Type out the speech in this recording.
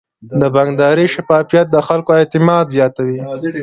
د بانکداري شفافیت د خلکو اعتماد زیاتوي.